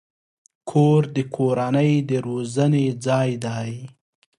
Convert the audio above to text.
کور د کورنۍ د روزنې ځای دی.